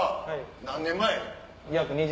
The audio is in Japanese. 何年前？